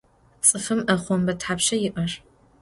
Ts'ıfım 'exhombe thapşşa yi'er?